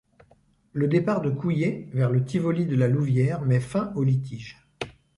Le départ de Couillet, vers le Tivoli de La Louvière, met fin aux litiges.